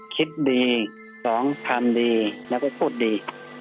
คิดดีสองทำดีแล้วก็พูดดี